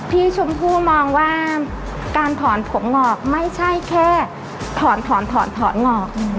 พี่ชมพู่มองว่าการถอนผมงอกไม่ใช่แค่ถอนถอนถอนงอก